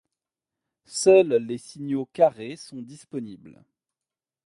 Seuls les signaux carrés sont disponibles.